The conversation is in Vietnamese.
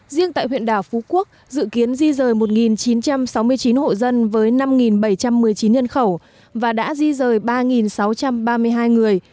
riêng tại huyện đảo phú quốc dự kiến di rời một chín trăm sáu mươi chín hộ dân với năm bảy trăm một mươi chín nhân khẩu và đã di rời ba sáu trăm ba mươi hai người